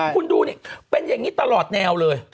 คุณดูนี่เป็นอย่างนี้ตลอดแนวเลย